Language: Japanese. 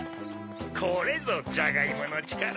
これぞジャガイモのちから。